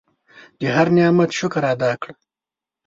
د هر نعمت شکر ادا کړه.